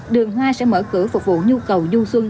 đường hoa sẽ mở cửa phục vụ nhu cầu du xuân